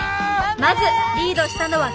まずリードしたのはきわさん！